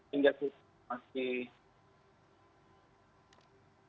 hingga sekarang masih